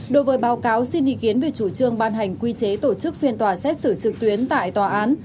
đối với báo cáo xin ý kiến về chủ trương ban hành quy chế tổ chức phiên tòa xét xử trực tuyến tại tòa án